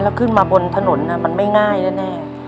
แล้วขึ้นมาบนถนนมันไม่ง่ายแน่